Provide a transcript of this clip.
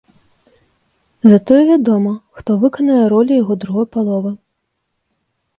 Затое вядома, хто выканае ролю яго другой паловы.